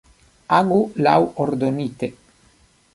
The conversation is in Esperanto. Agu laŭ ordonite.